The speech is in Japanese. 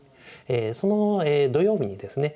その土曜日にですね